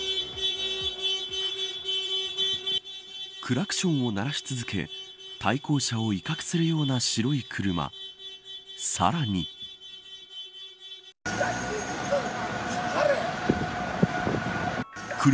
クラクションを鳴らし続け対向車を威嚇するような白い車。